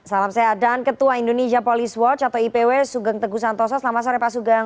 salam sehat dan ketua indonesia police watch atau ipw sugeng teguh santoso selamat sore pak sugeng